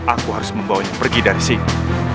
aku harus membawanya pergi dari sini